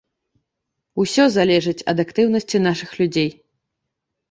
Усё залежыць ад актыўнасці нашых людзей.